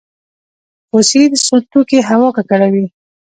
فوسیل سون توکي هوا ککړوي